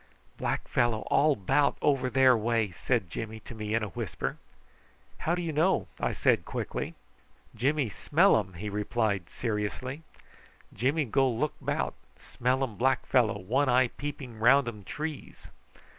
"Black fellow all 'bout over there way!" said Jimmy to me in a whisper. "How do you know?" I said quickly. "Jimmy smell am!" he replied seriously. "Jimmy go look 'bout. Smell um black fellow, one eye peeping round um trees."